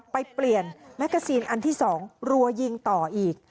ไปเปลี่ยนแมกกาซีนอันที่๒รัวยิงต่ออีก